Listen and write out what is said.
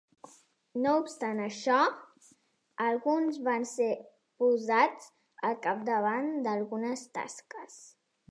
No obstant això, alguns van ser posats al capdavant d'algunes tasques.